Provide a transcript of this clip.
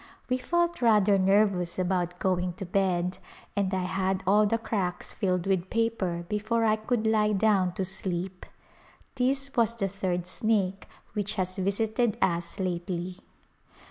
We felt rather nervous about going to bed, and I had all the cracks filled with paper before I could lie down to sleep. This was the third snake which has visited us lately.